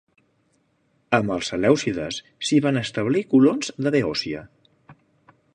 Amb els selèucides s'hi van establir colons de Beòcia.